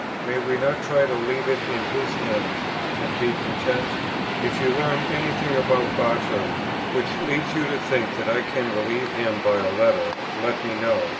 May we not try to leave it in His hands, and be content? "If you learn any thing about Barter, which leads you to think that I can relieve him by a letter, let me know.